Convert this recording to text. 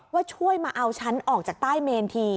ว่าช่วยมาเอาฉันออกจากใต้เมนที